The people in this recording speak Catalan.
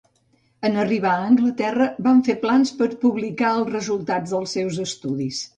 En arribar a Anglaterra van fer plans per a publicar els resultats dels seus estudis.